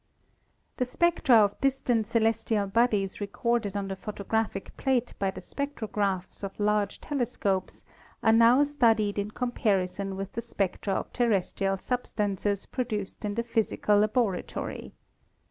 The spectra of distant celestial bodies recorded on the photographic plate by the spectrographs of large telescopes are now studied in comparison with the spectra of ter restrial substances produced in the physical laboratory.